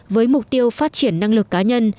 với mục tiêu phát triển năng lực cá nhân